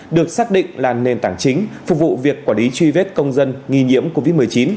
được xác định là nền tảng chính phục vụ việc quản lý truy vết công dân nghi nhiễm covid một mươi chín